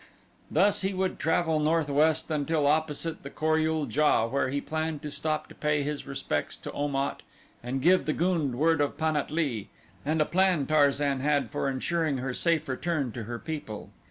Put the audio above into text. Thus he would travel northwest until opposite the Kor ul JA where he planned to stop to pay his respects to Om at and give the gund word of Pan at lee, and a plan Tarzan had for insuring her safe return to her people.